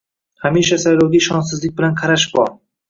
Hamisha saylovga ishonchsizlik bilan qarash bor